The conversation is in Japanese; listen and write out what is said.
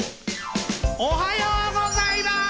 おはようございます！